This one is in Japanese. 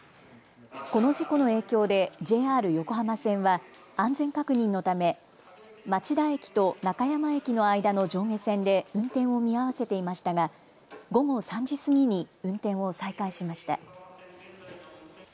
この事故の影響でＪＲ横浜線は安全確認のため町田駅と中山駅の間の上下線で運転を見合わせていましたが午後３時過ぎに運転を再開しました。